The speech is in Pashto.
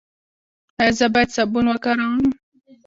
ایا زه باید صابون وکاروم؟